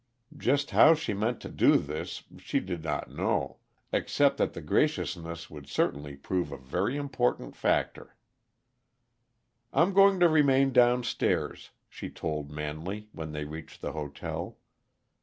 Just how she meant to do this she did not know except that the graciousness would certainly prove a very important factor. "I'm going to remain downstairs," she told Manley, when they reached the hotel.